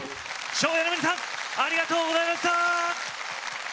ＳＨＯＷ‐ＹＡの皆さんありがとうございました。